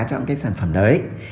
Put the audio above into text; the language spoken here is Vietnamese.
trong cái sản phẩm đấy